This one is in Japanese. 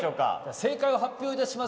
正解を発表します。